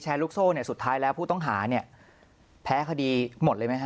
ลูกโซ่เนี่ยสุดท้ายแล้วผู้ต้องหาเนี่ยแพ้คดีหมดเลยไหมฮ